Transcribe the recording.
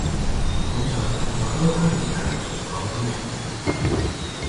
好彩我都合資格做廣東人